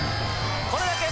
これだけ！